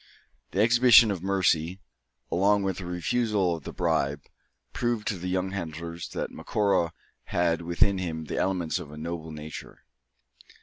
The exhibition of mercy, along with the refusal of the bribe, proved to the young hunters, that Macora had within him the elements of a noble nature.